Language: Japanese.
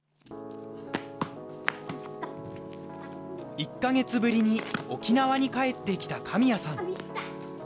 １カ月ぶりに沖縄に帰ってきた神谷さん。